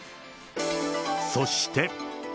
そして。